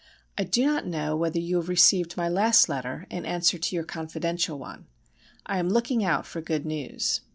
I do not know whether you have received my last letter in answer to your confidential one. I am looking out for good news.